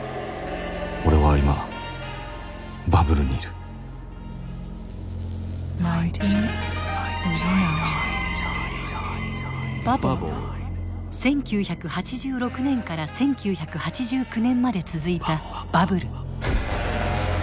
俺は今バブルにいる１９８６年から１９８９年まで続いたバブル。